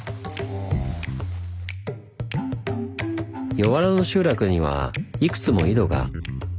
江原の集落にはいくつも井戸が。